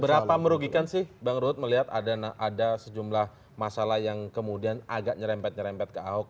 seberapa merugikan sih bang ruhut melihat ada sejumlah masalah yang kemudian agak nyerempet nyerempet ke ahok